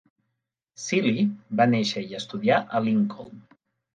Seely va néixer i va estudiar a Lincoln.